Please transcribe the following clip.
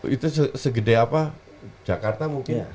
itu segede apa jakarta mungkin